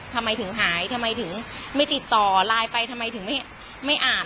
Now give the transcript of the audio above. ทำไมถึงหายทำไมถึงไม่ติดต่อไลน์ไปทำไมถึงไม่อ่าน